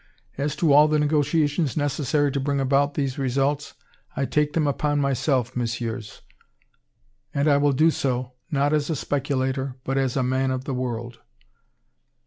As to all the negotiations necessary to bring about these results I take them upon myself, Messieurs; and I will do so, not as a speculator but as a man of the world."